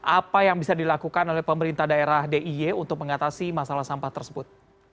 apa yang bisa dilakukan oleh pemerintah daerah diy untuk mengatasi masalah sampah tersebut